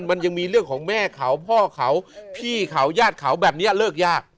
มันยังมีเรื่องของแม่เขาพ่อเขาพี่เขาญาติเขาแบบนี้เลิกยาก